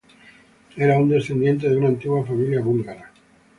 Era un descendiente de una antigua familia búlgara.